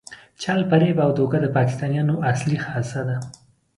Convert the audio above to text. چل، فریب او دوکه د پاکستانیانو اصلي خاصه ده.